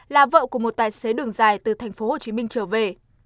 là vợ của một tài xế đường dài từ tp hcm trở về